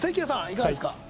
いかがですか？